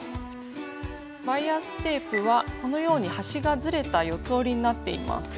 バイアステープはこのように端がずれた四つ折りになっています。